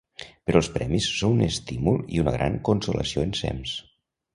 Però els premis són un estímul i una gran consolació ensems.